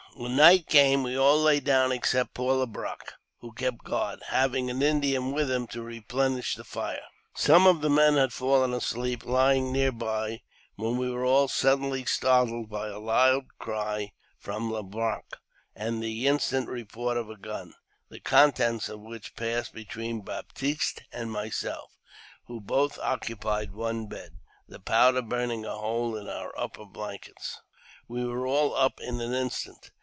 When night came on, we all lay down except poor Le Brache, who kept guard, having an Indian with him to replenish the fire. Some of the men had fallen asleep, lying near by, when we were all suddenly startled by a loud cry from Le Brache and the instant report of a gun, the contents of which passed between Baptiste and myself, who both occupied one bed, the powder burning a hole in our upper blankets. We were all up in an instant.